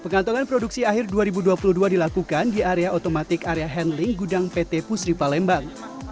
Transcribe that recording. pengantongan produksi akhir dua ribu dua puluh dua dilakukan di area otomatik area handling gudang pt pusri palembang